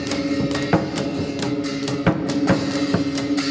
สวัสดีสวัสดี